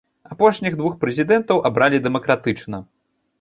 Апошніх двух прэзідэнтаў абралі дэмакратычна.